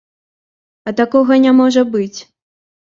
А такога не можа быць.